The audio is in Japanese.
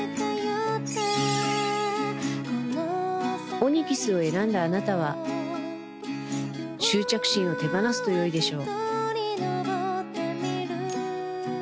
オニキスを選んだあなたは執着心を手放すとよいでしょう